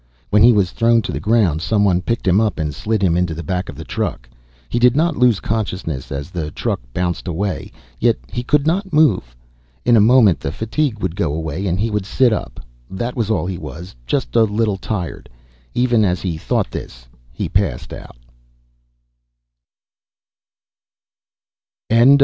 When he was thrown to the ground, someone picked him up and slid him into the back of the truck. He did not lose consciousness as the truck bounced away, yet he could not move. In a moment the fatigue would go away and he would sit up. That was all he was, just a little tired. Even as he thought this he passed out.